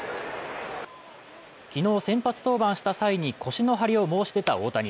昨日、先発登板した際に腰の張りを申し出た大谷。